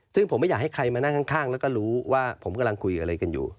ซึ่งผมไม่อยากให้ใครมานั่งข้างแล้วก็รู้ว่าผมกำลังคุยอะไรกันอยู่